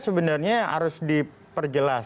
sebenarnya harus diperjelas